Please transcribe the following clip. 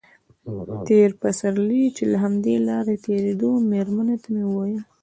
تېر پسرلی چې له همدې لارې تېرېدو مېرمنې ته مې ویل.